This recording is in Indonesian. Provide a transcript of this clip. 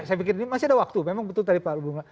saya pikir ini masih ada waktu memang betul tadi pak album